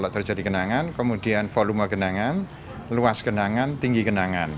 terjadi genangan kemudian volume genangan luas genangan tinggi genangan